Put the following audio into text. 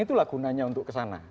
itu lagunannya untuk kesana